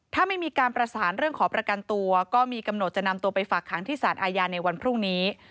ถ้าไม่มีการประสานเรื่องขอประกันตัวก็มีกำหนดจะนำตัวไปฝากขังที่สารอาญาในวันพรุ่งนี้